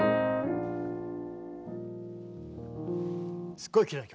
すっごいきれいな曲。